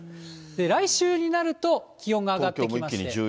来週になると、気温が上がってきまして。